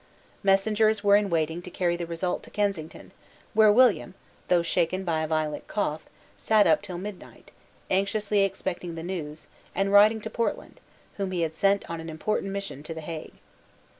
Messengers were in waiting to carry the result to Kensington, where William, though shaken by a violent cough, sate up till midnight, anxiously expecting the news, and writing to Portland, whom he had sent on an important mission to the Hague.